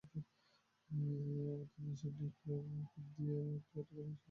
আপনাদের নিজস্ব নিউক্লিয়ার বোমা দিয়ে উল্কাটাকে ধ্বংস করে পৃথিবীটাকে বাঁচান!